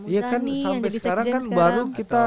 ya kan sampai sekarang kan baru kita